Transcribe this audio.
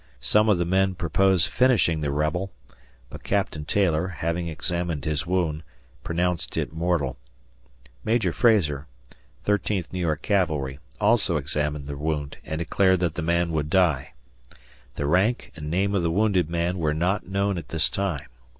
Some of the men proposed finishing the rebel; but Captain Taylor, having examined his wound, pronounced it mortal. Major Frazar, 13th New York Cavalry, also examined the wound and declared that the man would die. The rank and name of the wounded man were not known at this time.